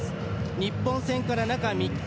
日本戦から中３日。